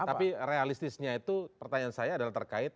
tapi realistisnya itu pertanyaan saya adalah terkait